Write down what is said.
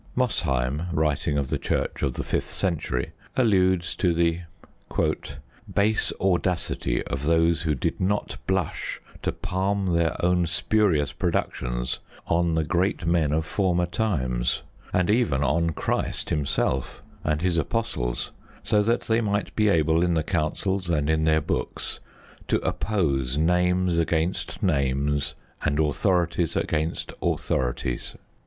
Mosheim, writing of the Church of the fifth century, alludes to the Base audacity of those who did not blush to palm their own spurious productions on the great men of former times, and, even on Christ Himself and His Apostles, so that they might be able, in the councils and in their books, to oppose names against names and authorities against authorities.